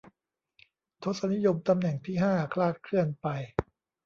ทศนิยมตำแหน่งที่ห้าคลาดเคลื่อนไป